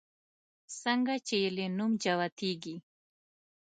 څنگه چې يې له نوم جوتېږي